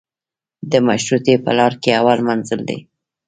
د مشروطې په لار کې اول منزل دی.